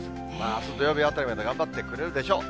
あす土曜日あたりまで頑張ってくれるでしょう。